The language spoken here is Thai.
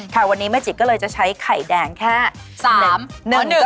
ค่ะวันนี้เมื่อจี๊ก็เลยจะใช้ไข่แดงแค่